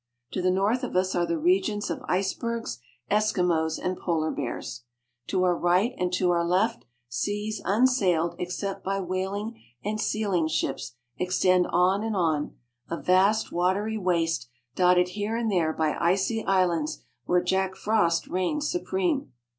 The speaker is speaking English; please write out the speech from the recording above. To the north of us are the regions of icebergs, Eskimos, and polar bears. To our right and to our left, seas unsailed except by whal ing and sealing ships extend on and on, a vast watery WHERE THE SUN RISES AT MIDNIGHT. 1 75 waste dotted here and there by icy islands where Jack Frost reigns supreme.